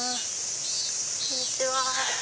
こんにちは。